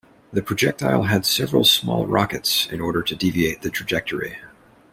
The projectile had several small rockets in order to deviate the trajectory.